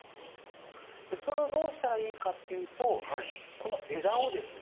それをどうしたらいいかっていうとこの枝をですね